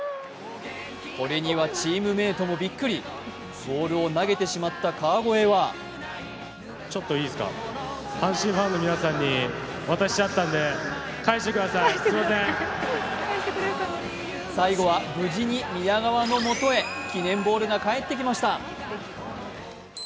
これにはチームメートもびっくりボールを投げてしまった川越は最後は無事に宮川のもとへ記念ボールが帰ってきました。